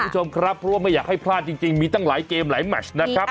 เพราะว่าไม่อยากให้พลาดจริงมีตั้งหลายเกมหลายแมชนะครับ